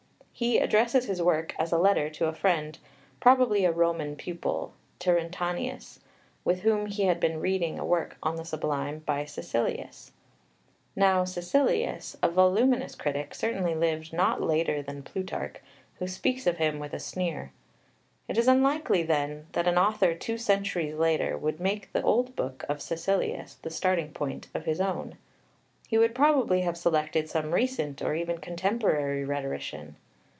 He addresses his work as a letter to a friend, probably a Roman pupil, Terentianus, with whom he has been reading a work on the Sublime by Caecilius. Now Caecilius, a voluminous critic, certainly lived not later than Plutarch, who speaks of him with a sneer. It is unlikely then that an author, two centuries later, would make the old book of Caecilius the starting point of his own. He would probably have selected some recent or even contemporary rhetorician.